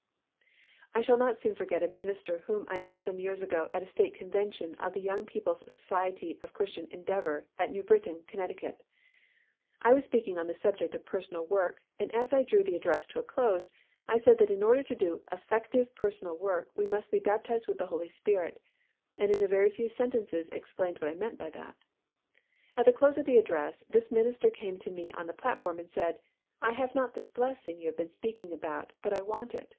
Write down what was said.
I shall not soon forget a minister whom I met some years ago at a State Convention of the Young People's Society of Christian Endeavour at New Britain, Conn. I was speaking upon the subject of personal work and as I drew the address to a close, I said that in order to do effective personal work, we must be baptized with the Holy Spirit, and in a very few sentences explained what I meant by that. At the close of the address, this minister came to me on the platform and said, "I have not this blessing you have been speaking about, but I want it.